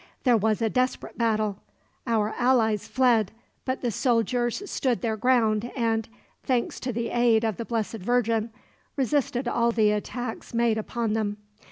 There was a desperate battle, our allies fled, but the soldiers stood their ground and thanks to the aid of the Blessed Virgin resisted all the attacks made upon them.